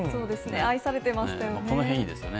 愛されていましたよね。